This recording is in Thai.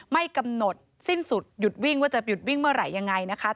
ไม่กำหนดสิ้นสุดหยุดวิ่งว่าจะหยุดวิ่งเมื่อไหร่ยังไงนะคะ